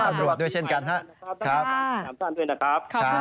ผมจะรับดินศูนย์ดูแลทั้งขาไปขากลับละครับ